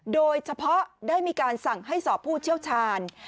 โดยเฉพาะได้มีการสั่งให้สอบผู้เชี่ยวชาญ